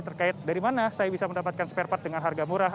terkait dari mana saya bisa mendapatkan spare part dengan harga murah